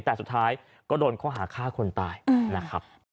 แต่สุดท้ายก็โดนข้อหาฆ่าคนตายนะครับ